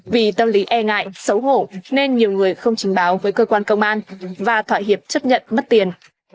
vì tâm lý e ngại xấu hổ nên nhiều người không trình báo với cơ quan công an và thoại hiệp chấp nhận mất tiền